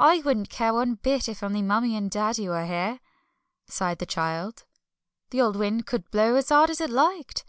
"I wouldn't care one bit if only Mummie and Daddy were here," sighed the child; "the old wind could blow as hard as it liked.